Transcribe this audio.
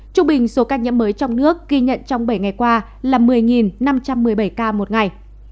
trung bình số ca nhiễm mới trong nước ghi nhận trong bảy ngày qua là một mươi năm trăm một mươi bảy ca một ngày